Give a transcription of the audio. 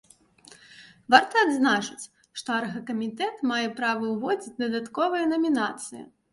Варта адзначыць, што аргакамітэт мае права ўводзіць дадатковыя намінацыі.